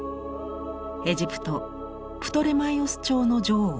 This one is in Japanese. エジプトプトレマイオス朝の女王